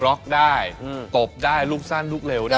ล็อกได้ตบได้ลูกสั้นลูกเร็วได้